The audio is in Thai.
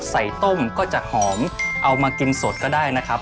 ต้มก็จะหอมเอามากินสดก็ได้นะครับ